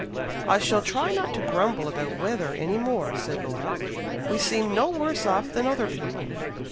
"I shall try not to grumble about weather any more," said Laura. "We seem no worse off than other people."